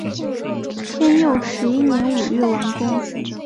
天佑十一年五月完工。